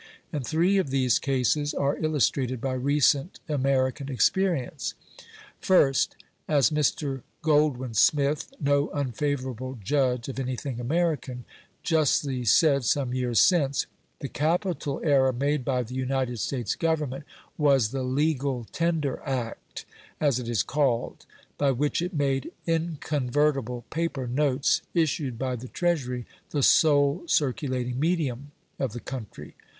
And three of these cases are illustrated by recent American experience. First, as Mr. Goldwin Smith no unfavourable judge of anything American justly said some years since, the capital error made by the United States Government was the "Legal Tender Act," as it is called, by which it made inconvertible paper notes issued by the Treasury the sole circulating medium of the country.